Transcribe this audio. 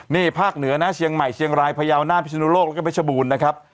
นี่ภาคเหนือนะเชียงใหม่เชียงรายพยาวนานพิศนุโลกแล้วก็เพชรบูรณ์นะครับ